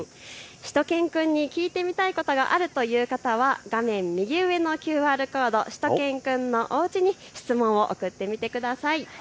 しゅと犬くんに聞いてみたいことがあるという方は画面右上のＱＲコード、しゅと犬くんのおうちに質問を送ってみてください。